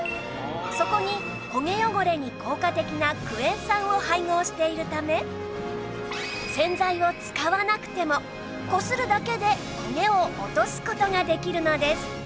そこにコゲ汚れに効果的なクエン酸を配合しているため洗剤を使わなくてもこするだけでコゲを落とす事ができるのです